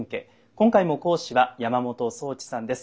今回も講師は山本宗知さんです。